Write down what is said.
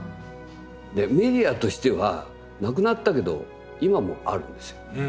メディアとしては亡くなったけど今もあるんですよ。